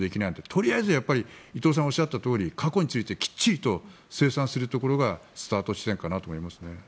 とりあえず伊藤さんがおっしゃったとおり過去についてきっちり清算するところがスタート地点かなと思います。